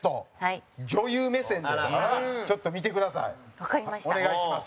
蛍原：お願いします。